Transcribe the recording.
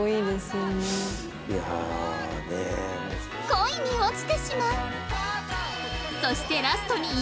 恋に落ちてしまう